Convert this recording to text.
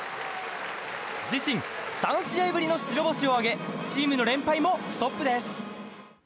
自身３試合ぶりの白星を挙げチームの連敗もストップです。